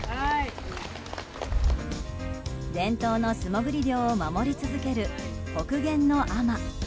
伝統の素潜り漁を守り続ける北限の海女。